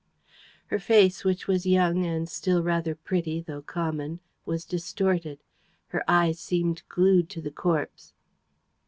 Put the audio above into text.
Her face, which was young and still rather pretty, though common, was distorted. Her eyes seemed glued to the corpse.